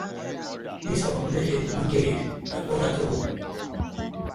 Dis our villag head no get head atoll atoll oo.